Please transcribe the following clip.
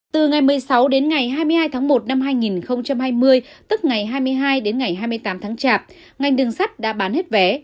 từ ngày một mươi sáu đến ngày hai mươi hai tháng một năm hai nghìn hai mươi tức ngày hai mươi hai đến ngày hai mươi tám tháng chạp ngành đường sắt đã bán hết vé